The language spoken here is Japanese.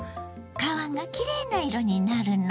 皮がきれいな色になるの。